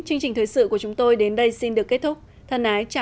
chương trình thời sự của chúng tôi đến đây xin được kết thúc